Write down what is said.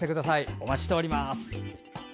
お待ちしております。